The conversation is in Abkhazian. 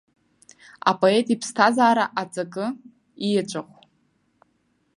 Апоет иԥсҭазаара аҵакы, иеҵәахә.